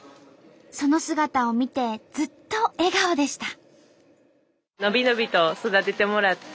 その姿を見てずっと笑顔でした。